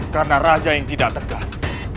karena raja yang tidak tegas